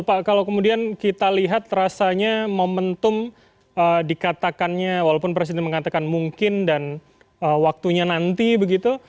pak kalau kemudian kita lihat rasanya momentum dikatakannya walaupun presiden mengatakan mungkin dan waktunya nanti begitu